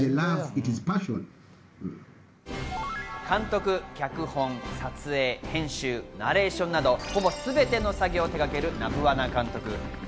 監督、脚本、撮影、編集、ナレーションなど、ほぼすべての作業を手がけるナブワナ監督。